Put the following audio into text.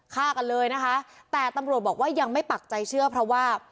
ฆ่ากันเลยนะคะแต่ตำรวจบอกว่ายังไม่ปักใจเชื่อเพราะว่า